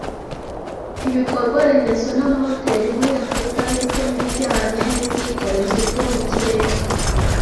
ibikorwaremezo n’amahoteli muri Afurika ndetse n’ibijyanye n’ubwikorezi bwo mu kirere